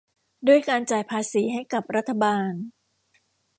ด้วยการจ่ายภาษีให้กับรัฐบาล